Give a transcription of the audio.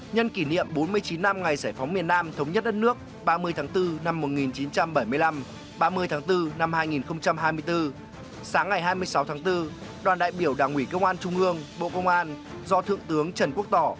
nhân kỷ niệm bốn mươi chín năm ngày giải phóng miền nam thống nhất đất nước ba mươi tháng bốn năm một nghìn chín trăm bảy mươi năm ba mươi tháng bốn năm hai nghìn hai mươi bốn sáng ngày hai mươi sáu tháng bốn đoàn đại biểu đảng ủy công an trung ương bộ công an do thượng tướng trần quốc tỏ